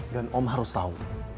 dan om harus tahu